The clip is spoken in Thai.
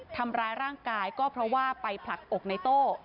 ทำร้ายร่างกายก็เพราะว่าไปผลักอกในโต้